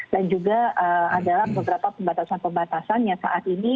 dan juga adalah beberapa pembatasan pembatasan yang saat ini